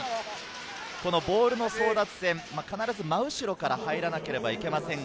ボールの争奪戦は必ず真後ろから入らなければいけません。